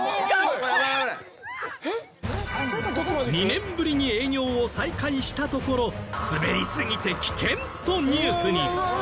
２年ぶりに営業を再開したところ滑りすぎて危険とニュースに。